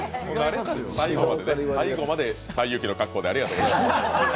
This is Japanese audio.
最後まで西遊記の格好でありがとうございました。